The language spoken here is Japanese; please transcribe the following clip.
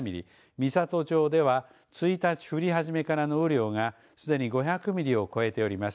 美郷町では１日降り始めからの雨量がすでに５００ミリを超えております。